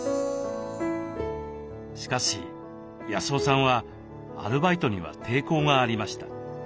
しかし康雄さんはアルバイトには抵抗がありました。